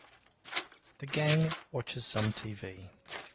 The gang watches some TV.